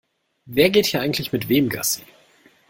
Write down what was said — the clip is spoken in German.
Wer geht hier eigentlich mit wem Gassi?